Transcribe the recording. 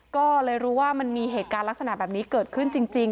ก็เลยรู้ว่ามันมีเหตุการณ์ลักษณะแบบนี้เกิดขึ้นจริง